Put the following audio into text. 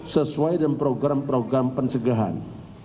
sesuai dengan program program pencegahan